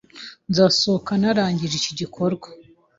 Nzasohoka narangije iki gikorwa